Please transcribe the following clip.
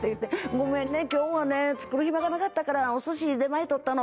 「ごめんね今日はね作る暇がなかったからお寿司出前取ったの」